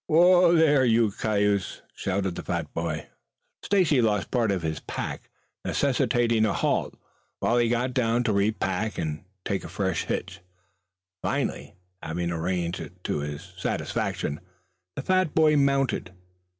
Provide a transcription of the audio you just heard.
Whoa, there, you cayuse!" shouted the fat boy. Stacy lost part of his pack, necessitating a halt while he got down to repack and take a fresh hitch. Finally having arranged it to his satisfaction the fat boy mounted.